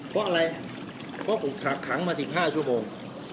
เพราะอะไรเพราะผมถักขังมา๑๕ชั่วโมง